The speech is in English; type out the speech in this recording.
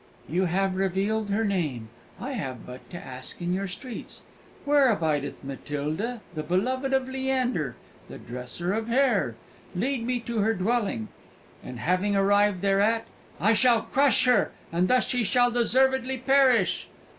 "You have revealed her name! I have but to ask in your streets, 'Where abideth Matilda, the beloved of Leander, the dresser of hair? Lead me to her dwelling.' And having arrived thereat, I shall crush her, and thus she shall deservedly perish!"